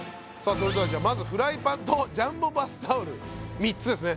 それではまずフライパンとジャンボバスタオル３つですね